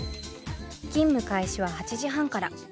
勤務開始は８時半から。